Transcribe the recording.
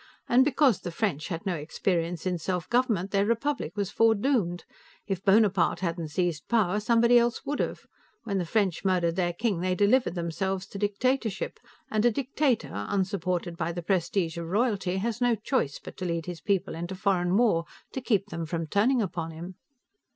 "And because the French had no experience in self government, their republic was foredoomed. If Bonaparte hadn't seized power, somebody else would have; when the French murdered their king, they delivered themselves to dictatorship. And a dictator, unsupported by the prestige of royalty, has no choice but to lead his people into foreign war, to keep them from turning upon him."